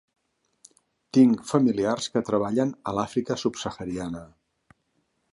Tinc familiars que treballen a l'Àfrica subsahariana.